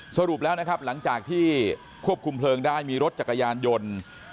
สรุปแล้วนะครับหลังจากที่ควบคุมเพลิงได้มีรถจักรยานยนต์